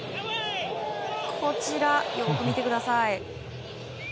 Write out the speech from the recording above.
こちらよく見てください。